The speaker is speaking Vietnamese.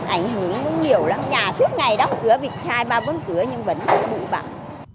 ảnh hưởng cũng nhiều lắm nhà suốt ngày đóng cửa bị hai ba bốn cửa nhưng vẫn bụng bậc